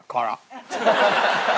ハハハハ！